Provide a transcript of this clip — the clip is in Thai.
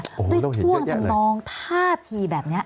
ไม่ท่วงทำนองท่าทีแบบนี้